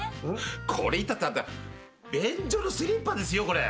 これ至ってはあんた便所のスリッパですよこれ。